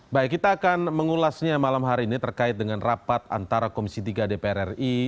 baik kita akan mengulasnya malam hari ini terkait dengan rapat antara komisi tiga dpr ri